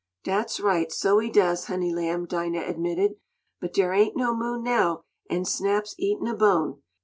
"Dat's right, so he does, honey lamb," Dinah admitted. "But dere ain't no moon now, an' Snap's eatin' a bone.